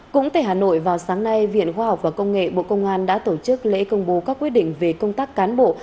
cũng tại hà nội vào sáng nay viện khoa học và công nghệ bộ công an đã tổ chức lễ công bố các quyết định về công tác cán bộ